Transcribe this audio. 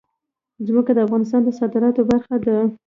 ځمکه د افغانستان د صادراتو برخه ده.